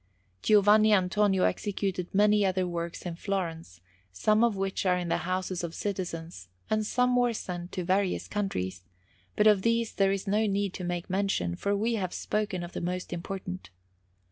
Giovanni Antonio executed many other works in Florence, some of which are in the houses of citizens, and some were sent to various countries; but of these there is no need to make mention, for we have spoken of the most important.